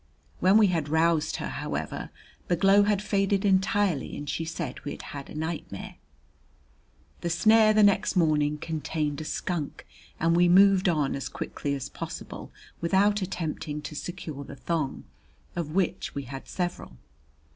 When we had roused her, however, the glow had faded entirely and she said we had had a nightmare. The snare the next morning contained a skunk, and we moved on as quickly as possible, without attempting to secure the thong, of which we had several.